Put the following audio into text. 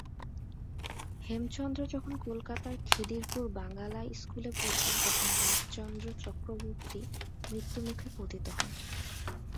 হেমচন্দ্র যখন কলকাতার খিদিরপুর বাঙ্গালা স্কুলে পড়তেন তখন রাজচন্দ্র চক্রবর্তী মৃত্যুমুখে পতিত হন।